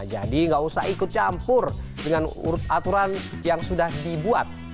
jadi nggak usah ikut campur dengan aturan yang sudah dibuat